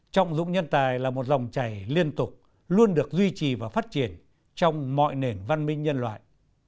trọng dụng nhân tài là một dòng chảy liên tục luôn được duy trì và phát triển trong mọi nền văn minh nhân loại